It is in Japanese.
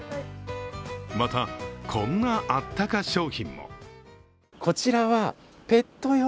また、こんなあったか商品も。